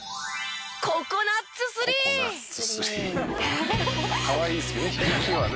「ココナッツスリー」「かわいいですけどね響きはね」